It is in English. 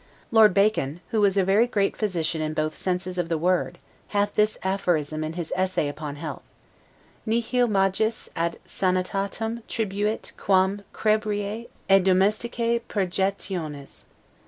Lord Bacon, who was a very great physician in both senses of the word, hath this aphorism in his "Essay upon Health," 'Nihil magis ad Sanitatem tribuit quam crebrae et domesticae purgationes'.